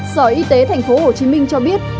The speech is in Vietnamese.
sở y tế tp hcm cho biết